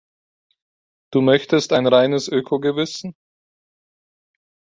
Du möchtest ein reines Ökogewissen?